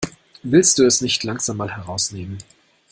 Willst du es nicht langsam mal herausnehmen?